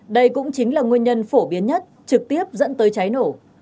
đây cũng chính là nguyên nhân phổ biến nhất trực tiếp dẫn tới cháy nổ